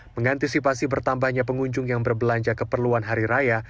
mengantisipasi bertambahnya pengunjung yang berbelanja keperluan hari raya